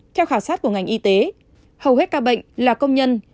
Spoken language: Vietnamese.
theo khảo sát của ngành y tế hầu hết ca bệnh là công nhân